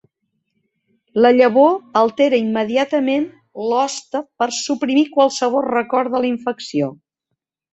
La "llavor" altera immediatament l'hoste per suprimir qualsevol record de la infecció.